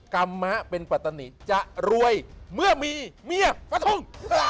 กรรมะเป็นประตานิจะรวยเมื่อมีเมียฟะทุ่ง